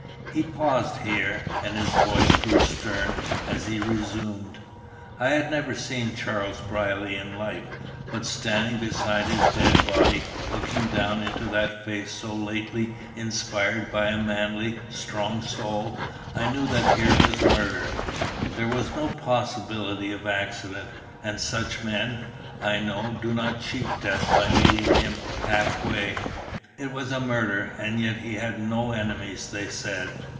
He paused here, and his voice grew stern as he resumed "I had never seen Charles Brierly in life, but, standing beside his dead body, looking down into that face so lately inspired by a manly, strong soul, I knew that here was murder. There was no possibility of accident, and such men, I know, do not cheat death by meeting him half way. It was a murder, and yet he had no enemies, they said.